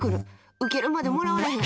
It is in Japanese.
ウケるまでもらわれへん！